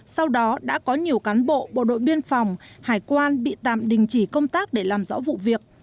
sau đó đã có nhiều cán bộ bộ đội biên phòng hải quan bị tạm đình chỉ công tác để làm rõ vụ việc